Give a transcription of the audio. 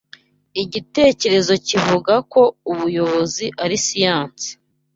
Igitekerezo kivuga ko ubuyobozi ari siyanse